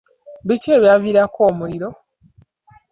Biki ebyaviirako omuliro?